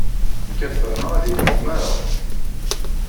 Nekk ad ferneɣ ad iliɣ umareɣ.